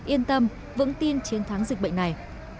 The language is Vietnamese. yên tâm vững tin chiến thắng dịch bệnh này